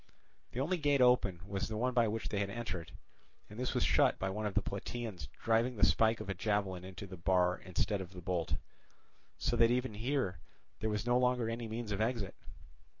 The only gate open was the one by which they had entered, and this was shut by one of the Plataeans driving the spike of a javelin into the bar instead of the bolt; so that even here there was no longer any means of exit.